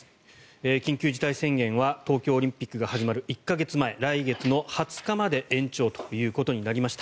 緊急事態宣言は東京オリンピックが始まる１か月前、来月の２０日まで延長ということになりました。